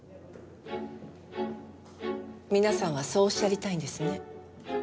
皆さんはそうおっしゃりたいんですね？